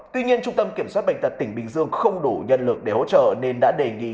tuy nhiên trung tâm kiểm soát bệnh tật tỉnh bình dương không đủ nhân lực để hỗ trợ nên đã đề nghị